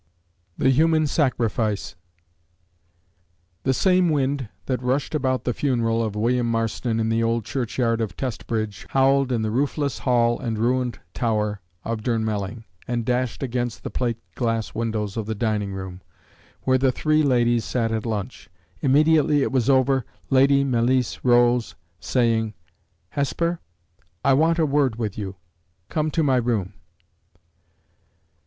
THE HUMAN SACRIFICE. The same wind that rushed about the funeral of William Marston in the old churchyard of Testbridge, howled in the roofless hall and ruined tower of Durnmelling, and dashed against the plate glass windows of the dining room, where the three ladies sat at lunch. Immediately it was over, Lady Malice rose, saying: "Hesper, I want a word with you. Come to my room."